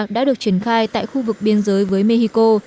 đã được triển khai tại khu vực biên giới với mexico